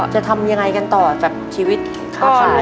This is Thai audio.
จะทำยังไงกันต่อกับชีวิตข้าขาย